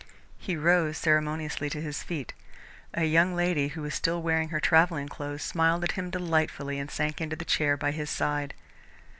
He rose ceremoniously to his feet. A young lady who was still wearing her travelling clothes smiled at him delightfully and sank into the chair by his side.